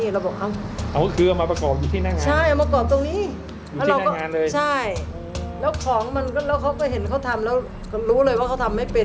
แล้วของมันก็แล้วเขาก็เห็นเขาทำแล้วรู้เลยว่าเขาทำไม่เป็น